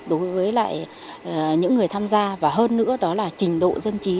đối với lại những người tham gia và hơn nữa đó là trình độ dân trí